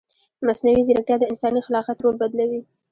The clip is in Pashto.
مصنوعي ځیرکتیا د انساني خلاقیت رول بدلوي.